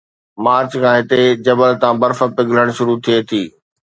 march کان هتي جبل تان برف پگھلڻ شروع ٿئي ٿي